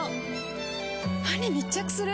歯に密着する！